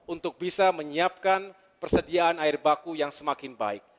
untuk bisa menyiapkan persediaan air baku yang semakin baik